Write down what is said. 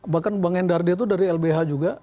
bahkan bang endardya itu dari lbh juga